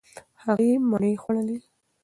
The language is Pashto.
هغې مڼې وخوړلې.